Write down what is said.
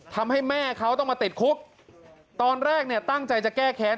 ทำให้แม่เขาต้องมาติดคุกตอนแรกเนี่ยตั้งใจจะแก้แค้น